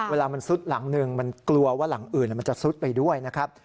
เวลามันซุดหลังหนึ่งมันกลัวว่าหลังอื่นมันจะซุดไปด้วยนะครับ